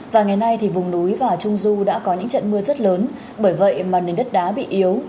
và ngày nay thì vùng núi và trung du đã có những trận mưa rất lớn bởi vậy mà nền đất đá bị yếu